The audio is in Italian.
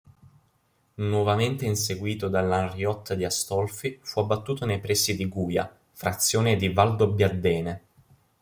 Nuovamente inseguito dall'Hanriot di Astolfi fu abbattuto nei pressi di Guia, frazione di Valdobbiadene.